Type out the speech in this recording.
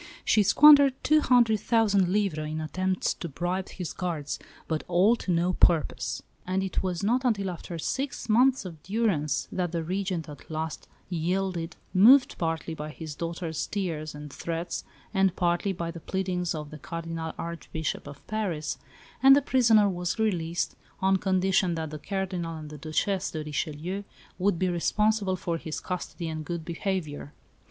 She squandered two hundred thousand livres in attempts to bribe his guards, but all to no purpose: and it was not until after six months of durance that the Regent at last yielded moved partly by his daughter's tears and threats and partly by the pleadings of the Cardinal Archbishop of Paris and the prisoner was released, on condition that the Cardinal and the Duchesse de Richelieu would be responsible for his custody and good behaviour.